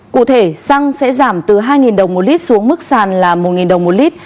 cụ thể xăng sẽ giảm từ hai đồng một lít xuống mức sàn là một đồng một lít